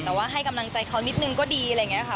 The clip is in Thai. แต่ว่าให้กำลังใจเขานิดนึงก็ดีอะไรอย่างนี้ค่ะ